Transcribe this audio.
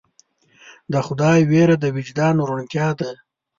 د خدای ویره د وجدان روڼتیا ده.